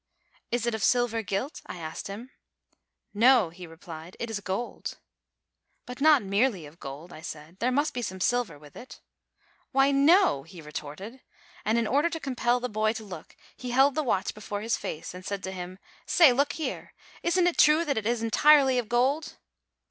"Is it of silver gilt?" I asked him. "No," he replied; "it is gold." "But not merely of gold," I said; "there must be some silver with it." "Why, no!" he retorted; and, in order to compel the boy to look, he held the watch before his face, and said to him, "Say, look here! isn't it true that it is entirely of gold?"